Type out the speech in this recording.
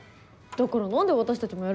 だから何で私たちもやる前提？